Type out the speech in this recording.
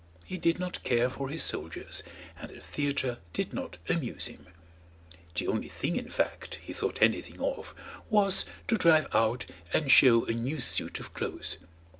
He did not care for his soldiers, and the theatre did not amuse him; the only thing, in fact, he thought anything of was to drive out and show a new suit of clothes.